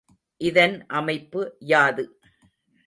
இதன் அமைப்பு யாது?